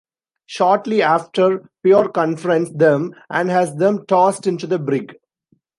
Shortly after, Pierre confronts them and has them tossed into the brig.